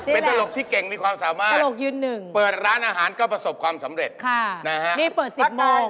เป็นตลกที่เก่งมีความสามารถเปิดร้านอาหารก็ประสบความสำเร็จนะครับฮะนี่เปิด๑๐โมง